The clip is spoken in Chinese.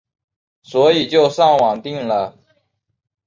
所以就上网订了